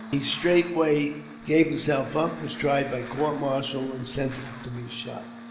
He straightway gave himself up, was tried by court martial, and sentenced to be shot.